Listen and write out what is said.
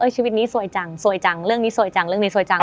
ชีวิตนี้สวยจังสวยจังเรื่องนี้สวยจังเรื่องนี้สวยจัง